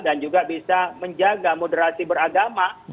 dan juga bisa menjaga moderasi beragama